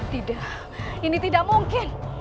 tidak ini tidak mungkin